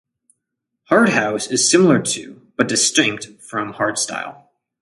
Hard house is similar to, but distinct from hardstyle.